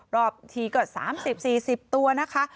รอบทีก็๓๐๔๐ตัวนะคะ